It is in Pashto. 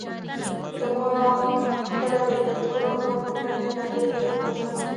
زما خپله د پېټرا ښار لیدلو ته ډېره تلوسه وه.